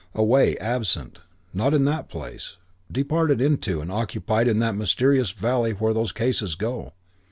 Away. Absent. Not in that place. Departed into, and occupied in that mysterious valley where those cases go.